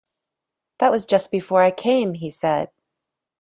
"That was just before I came," he said.